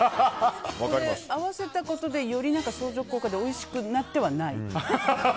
合わせたことでより相乗効果でおいしくなってはない。